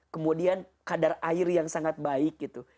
kemudian kadar air yang sangat baik gitu